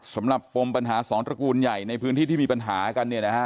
ปมปัญหาสองตระกูลใหญ่ในพื้นที่ที่มีปัญหากันเนี่ยนะฮะ